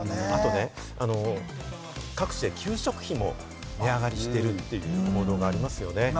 あとね、各地で給食費も値上がりしているところがありますよね。